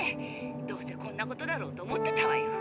どうせこんなことだろうと思ってたわよ！